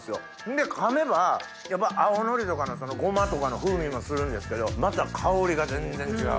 で噛めばやっぱ青のりとかごまとかの風味もするんですけどまた香りが全然違う。